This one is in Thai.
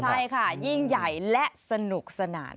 ใช่ค่ะยิ่งใหญ่และสนุกสนาน